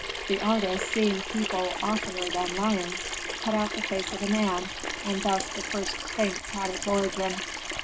The artists, seeing people oftener than lions, cut out the face of a man, and thus the first sphinx had its origin."